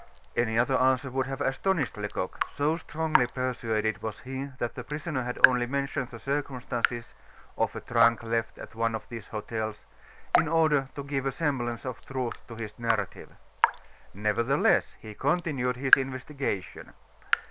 Any other answer would have astonished Lecoq, so strongly persuaded was he that the prisoner had only mentioned the circumstances of a trunk left at one of these hotels in order to give a semblance of truth to his narrative. Nevertheless he continued his investigation.